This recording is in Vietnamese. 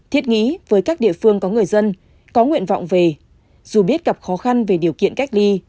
thiết nghĩ với các địa phương có người dân có nguyện vọng về dù biết gặp khó khăn về điều kiện cách ly